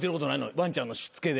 ワンちゃんのしつけで。